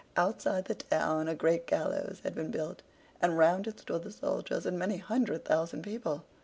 Outside the town a great gallows had been built, and round it stood the soldiers and many hundred thousand people.